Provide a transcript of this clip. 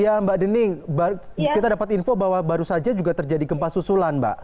ya mbak deni kita dapat info bahwa baru saja juga terjadi gempa susulan mbak